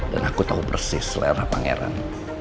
dan aku tahu persis selera pangeran